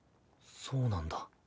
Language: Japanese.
そうなんだ。